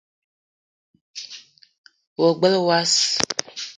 Wa gbele wass